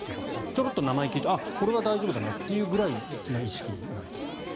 ちょろっと名前を聞いてこれは大丈夫だなっていう意識なんですか？